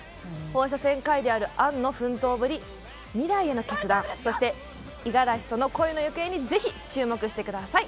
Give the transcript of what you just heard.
放射線科医である杏の奮闘ぶり未来への決断そして、五十嵐との恋の行方にぜひ注目してください。